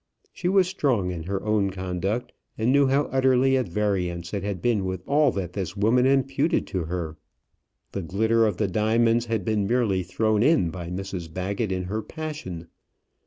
She was strong in her own conduct, and knew how utterly at variance it had been with all that this woman imputed to her. The glitter of the diamonds had been merely thrown in by Mrs Baggett in her passion.